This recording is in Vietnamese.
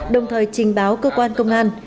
đồng thời trình báo cơ quan công an